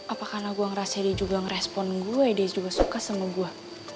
apakah karena gue ngerasa dia juga ngerespon gue dia juga suka sama gue